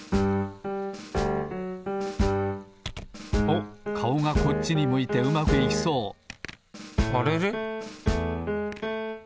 おっかおがこっちに向いてうまくいきそうあれれ？